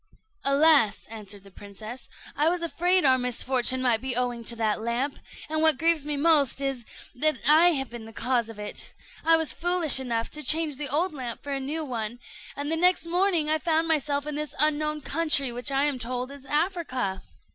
"Alas!" answered the princess, "I was afraid our misfortune might be owing to that lamp; and what grieves me most is, that I have been the cause of it. I was foolish enough to change the old lamp for a new one, and the next morning I found myself in this unknown country, which I am told is Africa."